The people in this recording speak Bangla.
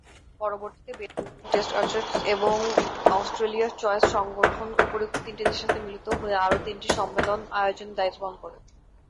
পরবর্তীতে বেলজিয়ামের টেস্ট-আচাটস এবং অস্ট্রেলিয়ার চয়েজ সংগঠন উপরিউক্ত তিন দেশের সাথে মিলিত হয়ে আরো তিনটি সম্মেলন আয়োজনের দায়িত্ব পালন করে।